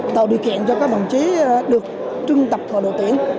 tạo điều kiện cho các bản chí được trưng tập vào đội tài